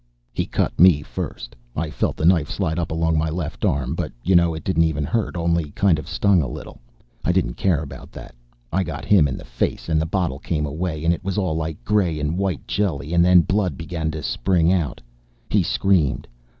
He cut me first. I felt the knife slide up along my left arm but, you know, it didn't even hurt, only kind of stung a little. I didn't care about that. I got him in the face, and the bottle came away, and it was all like gray and white jelly, and then blood began to spring out. He screamed.